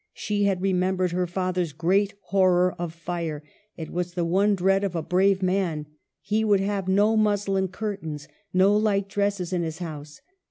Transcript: She had remembered her father's great horror of fire ; it was the one dread of a brave man ; he would have no muslin curtains, no light dresses in his house.